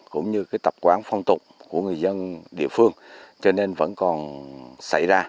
cũng như cái tập quán phong tục của người dân địa phương cho nên vẫn còn xảy ra